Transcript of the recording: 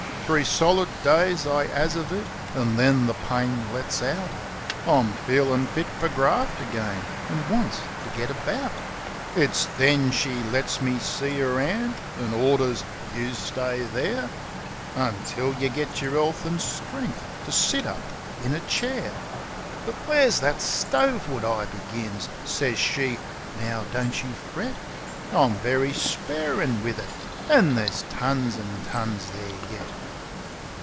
Three solid days I 'as uv it, an' then the pain lets out. I'm feelin' fit fer graft again, an' wants to git about. It's then she lets me see 'er 'and, an' orders, "You stay there Until yeh gits yer 'ealth an' strength to sit up in a chair." "But there's that stove w r ood," I begins. Sez she, "Now, don't you fret. I'm very sparin' wiv it, an' there's tons an' tons there yet."